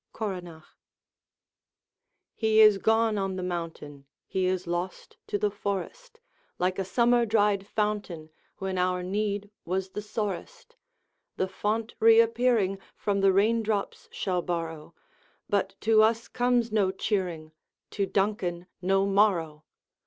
Coronach. He is gone on the mountain, He is lost to the forest, Like a summer dried fountain, When our need was the sorest. The font, reappearing, From the rain drops shall borrow, But to us comes no cheering, To Duncan no morrow!